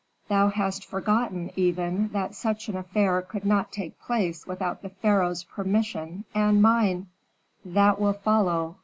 "Thou hast forgotten, even, that such an affair could not take place without the pharaoh's permission and mine." "That will follow.